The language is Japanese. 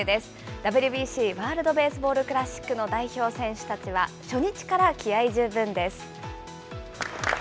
ＷＢＣ・ワールドベースボールクラシックの代表選手たちは、初日から気合い十分です。